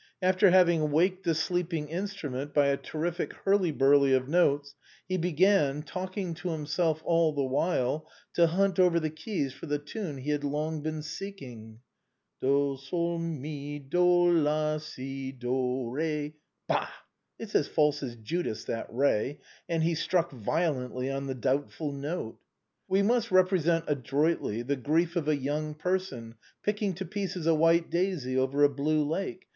After having waked the sleeping instrument by a terrific hurly burly of notes, he began, talking to himself all the while, to hunt over the keys for the tune he had long been seeking. " Bo, sol, mi, do, la, si, do, re. Bah ! it's as false as Judas, that re !" and he struck violently on the doubtful note. " We must represent adroitly the grief of a young person picking to pieces a white daisy over a blue lake.